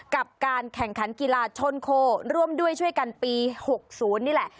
กับการแข่งขันกีฬาชนโคร่วมด้วยช่วยกันปี๖๐นี่แหละ